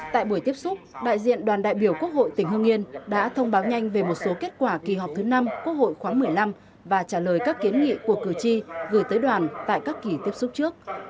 tại buổi tiếp xúc đại diện đoàn đại biểu quốc hội tỉnh hương yên đã thông báo nhanh về một số kết quả kỳ họp thứ năm quốc hội khoáng một mươi năm và trả lời các kiến nghị của cử tri gửi tới đoàn tại các kỳ tiếp xúc trước